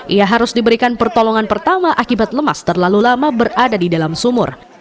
ia harus diberikan pertolongan pertama akibat lemas terlalu lama berada di dalam sumur